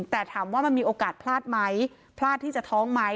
แต่ถามว่ามันมีโอกาสพลาดไหมพลาดที่จะท้องไหม